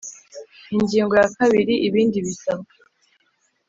Ingingo ya kabiri Ibindi bisabwa